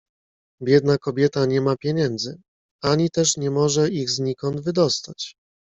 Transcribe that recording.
"Biedna kobieta nie ma pieniędzy, ani też nie może ich znikąd wydostać."